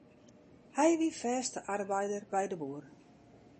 Hy wie fêste arbeider by de boer.